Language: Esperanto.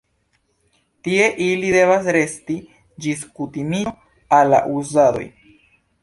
Tie ili devas resti ĝis kutimiĝo al la uzadoj.